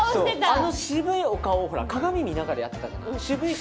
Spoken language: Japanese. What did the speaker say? あの渋いお顔を、鏡を見ながらやってたじゃない。